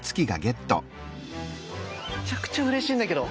めちゃくちゃうれしいんだけど。